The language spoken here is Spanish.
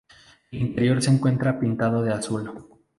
El interior se encuentra pintado de azul.